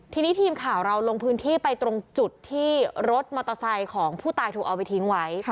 ทีนี้ทีมข่าวเราลงพื้นที่ไปตรงจุดที่รถมอเตอร์ไซค์ของผู้ตายถูกเอาไปทิ้งไว้